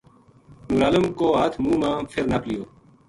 نورعالم کو ہتھ منہ ما فر نپ لیو